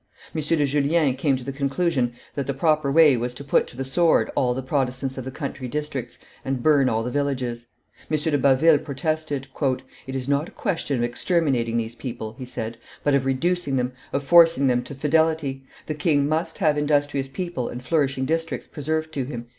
M. de Julien came to the conclusion that the proper way was to put to the sword all the Protestants of the country districts and burn all the villages. M. de Baville protested. "It is not a question of exterminating these people," he said, "but of reducing them, of forcing them to fidelity; the king must have industrious people and flourishing districts preserved to him."